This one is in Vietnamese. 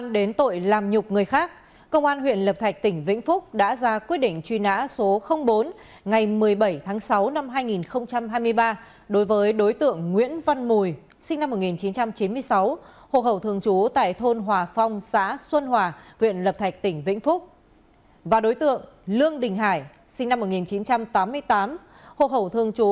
đối tượng lương đình hải sinh năm một nghìn chín trăm tám mươi tám hộ khẩu thường trú tại phường vân cơ thành phố việt trì tỉnh vĩnh phúc